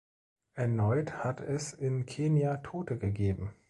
Erneut hat es in Kenia Tote gegeben.